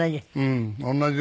同じ。